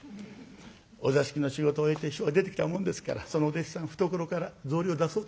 お座敷の仕事を終えて師匠が出てきたもんですからそのお弟子さん懐から草履を出そうとしたんです。